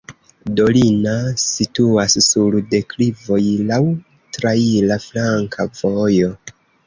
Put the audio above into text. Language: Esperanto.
Dolina situas sur deklivoj, laŭ traira flanka vojo.